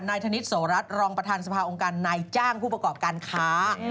ธนิษฐโสรัสรองประธานสภาองค์การนายจ้างผู้ประกอบการค้า